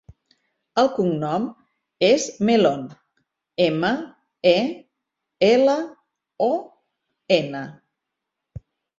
El cognom és Melon: ema, e, ela, o, ena.